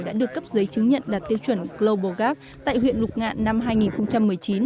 đã được cấp giấy chứng nhận đạt tiêu chuẩn global gap tại huyện lục ngạn năm hai nghìn một mươi chín